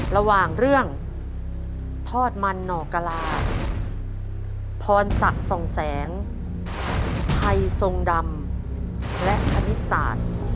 ระหว่างเรื่องทอดมันหนอกลาพรสะส่องแสงไทยทรงดำและอมิสาร